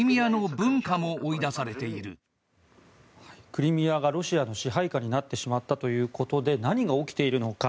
クリミアがロシアの支配下になってしまったということで何が起きているのか。